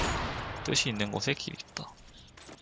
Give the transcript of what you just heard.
뜻이 있는 곳에 길이 있다